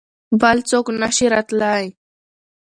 بل څوک نه شي راتلای.